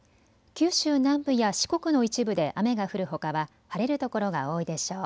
九州南部や四国の一部で雨が降るほかは晴れるところが多いでしょう。